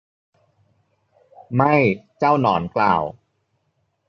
ไม่ เจ้าหนอนกล่าว